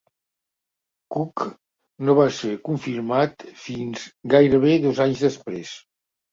Cook no va ser confirmat fins gairebé dos anys després.